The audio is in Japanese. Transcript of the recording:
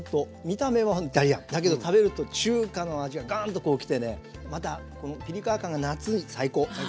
見た目はイタリアンだけど食べると中華の味がガンとこうきてねまたこのピリ辛感が夏に最高！